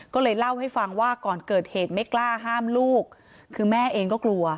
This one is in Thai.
ก็เลยเล่าให้ฟังว่าก่อนเกิดเหตุไม่กล้าห้ามลูกคือแม่เองก็กลัว